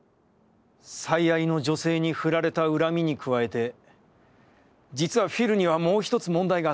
最愛の女性にフラれた恨みに加えて、じつはフィルにはもう一つ問題があった。